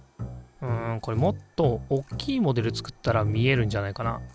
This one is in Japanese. うんこれもっとおっきいモデル作ったら見えるんじゃないかな？